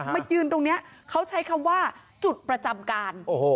มายืนตรงนี้เขาใช้คำว่าจุดประจำการ